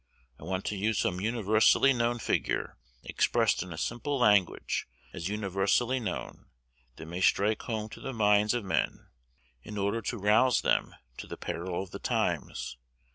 I want to use some universally known figure, expressed in simple language as universally known, that may strike home to the minds of men, in order to rouse them to the peril of the times.